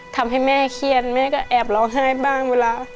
ทำให้แม่เครียดแม่ก็แอบร้องไห้บ้างเวลา